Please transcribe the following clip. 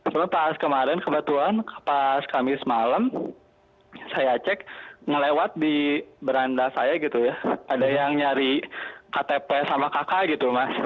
lalu pas kemarin kebetulan pas kamis malam saya cek ngelewat di beranda saya gitu ya ada yang nyari ktp sama kakak gitu mas